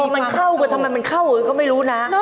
มันเข้ากันทำไมมันเข้าก็ไม่รู้นะ